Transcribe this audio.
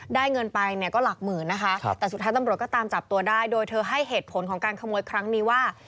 เงินไปเนี่ยก็หลักหมื่นนะคะแต่สุดท้ายตำรวจก็ตามจับตัวได้โดยเธอให้เหตุผลของการขโมยครั้งนี้ว่า